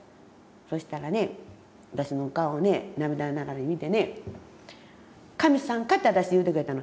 そしたらね私の顔をね涙ながらに見てね「神さんか」って私に言うてくれたの。